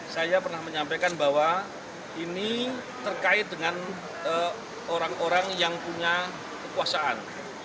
saya pernah menyampaikan bahwa ini terkait dengan orang orang yang punya kekuasaan